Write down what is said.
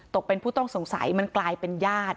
ตกเป็นผู้ต้องสงสัยมันกลายเป็นญาติ